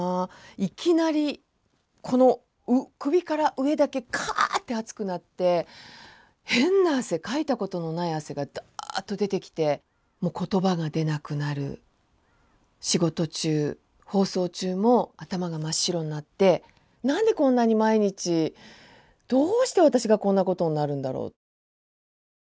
いきなりこの首から上だけカッて熱くなって変な汗かいたことのない汗がダッと出てきてもう言葉が出なくなる仕事中放送中も頭が真っ白になって何でこんなに毎日どうして私がこんなことになるんだろう。